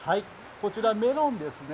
こちらメロンですね。